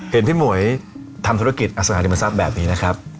เห็นพี่หม่วยทำธุรกิจอสนาธิบัติศาสตร์แบบนี้นะครับ